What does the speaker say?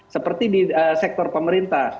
seperti di sektor pemerintah